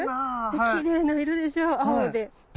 できれいな色でしょ青で。